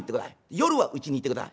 夜はうちにいてください。